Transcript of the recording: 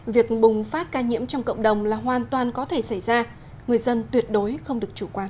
việc bùng phát ca nhiễm trong cộng đồng là hoàn toàn có thể xảy ra người dân tuyệt đối không được chủ quan